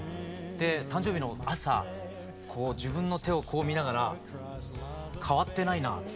で誕生日の朝こう自分の手をこう見ながら「変わってないな」って。